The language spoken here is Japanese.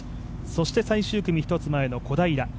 そして最終組一つ前の小平。